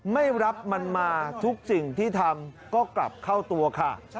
ไม่รับมันมาทุกสิ่งที่ทำก็กลับเข้าตัวค่ะ